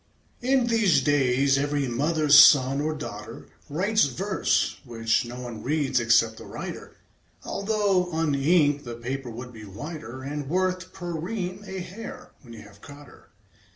. IN these days, every mother's son or daughter Writes verse, which no one reads except the writer, Although, uninked, the paper would be whiter, And worth, per ream, a hare, when you have caught her.